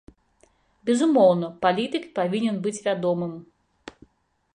Безумоўна, палітык павінен быць вядомым.